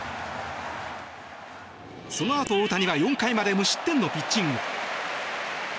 そのあと大谷は４回まで無失点のピッチング。